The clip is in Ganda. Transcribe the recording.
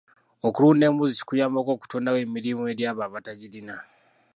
Okulunda embuzi kuyambako okutondawo emirimu eri abo abatagirina.